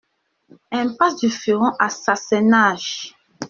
Impasse du Furon à Sassenage